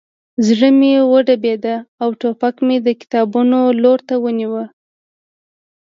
زړه مې وډبېده او ټوپک مې د کتابونو لور ته ونیو